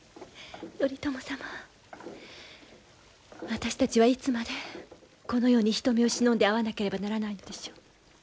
私たちはいつまでこのように人目を忍んで会わなければならないのでしょう。